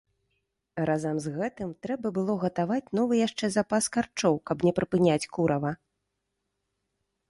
Разам з гэтым трэба было гатаваць новы яшчэ запас карчоў, каб не прыпыняць курава.